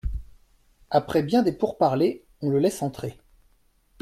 Après bien des pourparlers, on le laisse entrer.